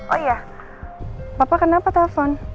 oh iya papa kenapa telfon